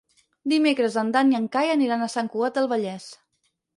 Dimecres en Dan i en Cai aniran a Sant Cugat del Vallès.